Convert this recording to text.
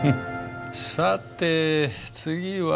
さて次は？